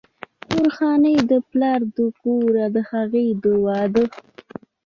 درخانۍ د پلار د کوره د هغې د وادۀ